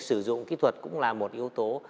sử dụng kỹ thuật cũng là một yếu tố